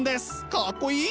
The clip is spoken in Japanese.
かっこいい！